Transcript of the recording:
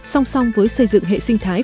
song song với xây dựng hệ sinh thái